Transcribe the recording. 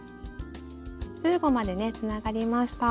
１５までねつながりました。